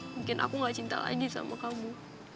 mungkin aku gak cinta lagi sama kamu